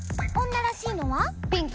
女らしいのは？